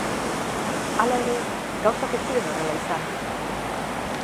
Hala ere, gauzak ez ziren horrela izan.